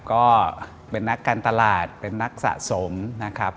ก็เป็นนักการตลาดเป็นนักสะสมนะครับ